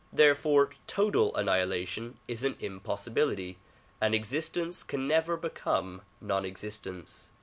Therefore total annihilation is an impossibility, and existence can never become non existence.